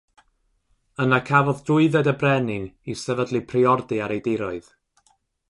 Yna cafodd drwydded y brenin i sefydlu Priordy ar ei diroedd.